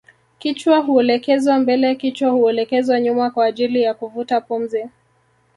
Kichwa huelekezwa mbele kichwa huelekezwa nyuma kwa ajili ya kuvuta pumzi